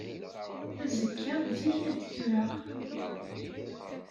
Azekka zik ad d-kkreɣ.